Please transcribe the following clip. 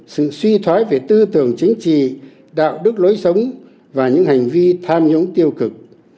sự suy thoái về tư tưởng chính trị đạo đức lối sống và những hành vi tham nhũng tiêu cực